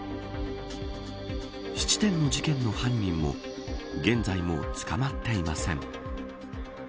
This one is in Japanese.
質店の事件の犯人も現在も捕まっていません。